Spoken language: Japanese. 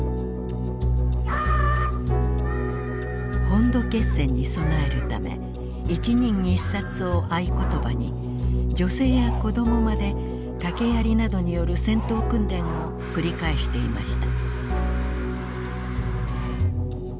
本土決戦に備えるため一人一殺を合言葉に女性や子どもまで竹やりなどによる戦闘訓練を繰り返していました。